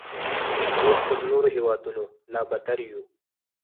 موږ تر نورو هیوادونو لا بدتر یو.